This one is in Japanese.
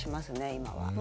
今は。